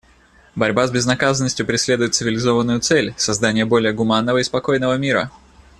Борьба с безнаказанностью преследует цивилизованную цель — создание более гуманного и спокойного мира.